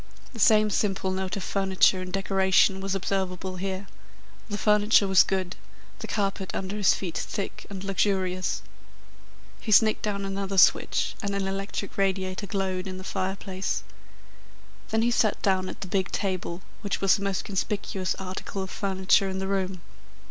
The same simple note of furniture and decoration was observable here. The furniture was good, the carpet under his feet thick and luxurious. He snicked down another switch and an electric radiator glowed in the fireplace. Then he sat down at the big table, which was the most conspicuous article of furniture in the room.